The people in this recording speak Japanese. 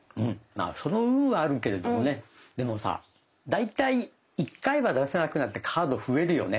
まあその運はあるけれどもねでもさ大体１回は出せなくなってカード増えるよね。